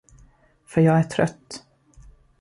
För jag är trött.